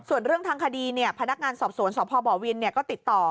ส่วนเรื่องทางคดีพนักงานสอบสวนสพบวินก็ติดต่อ